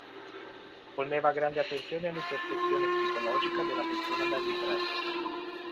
Poneva grande attenzione all'introspezione psicologica della persona da ritrarre.